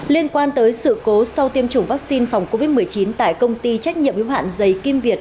liên quan tới sự cố sau tiêm chủng vaccine phòng covid một mươi chín tại công ty trách nhiệm yếu hạn giấy kim việt